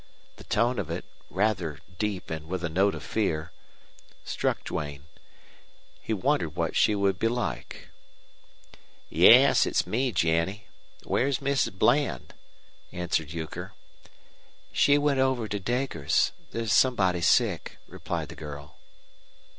The tone of it, rather deep and with a note of fear, struck Duane. He wondered what she would be like. "Yes, it's me, Jennie. Where's Mrs. Bland?" answered Euchre. "She went over to Deger's. There's somebody sick," replied the girl.